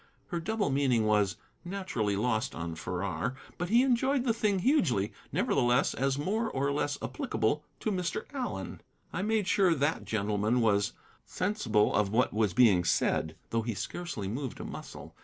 Her double meaning was, naturally, lost on Farrar, but he enjoyed the thing hugely, nevertheless, as more or less applicable to Mr. Allen. I made sure that gentleman was sensible of what was being said, though he scarcely moved a muscle.